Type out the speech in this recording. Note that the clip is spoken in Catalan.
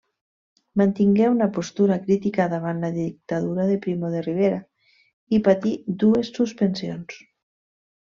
Mantingué una postura crítica davant la Dictadura de Primo de Rivera i patí dues suspensions.